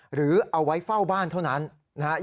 หรือเอาไว้เฝ้าบ้านเท่านั้นนะครับ